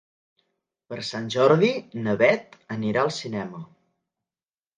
Per Sant Jordi na Bet anirà al cinema.